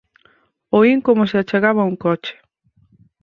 Oín como se achegaba un coche…